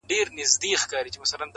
• نه په سرمنزل نه رباتونو پوهېدلی یم -